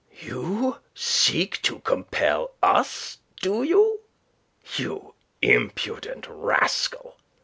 "You seek to compel us, do you, you impudent rascal?"